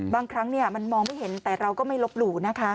บางครั้งมันมองไม่เห็นแต่เราก็ไม่ลบหลู่นะคะ